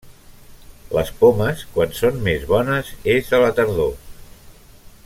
Les pomes, quan són més bones és a la tardor.